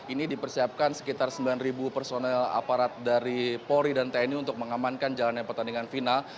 ini dipersiapkan sekitar sembilan personel aparat dari polri dan tni untuk mengamankan jalannya pertandingan final